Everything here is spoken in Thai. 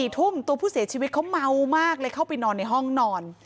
๔ทุ่มตัวผู้เสียชีวิตเขาเมามากเลยเข้าไปนอนในห้องนอน